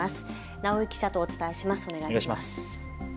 直井記者とお伝えします。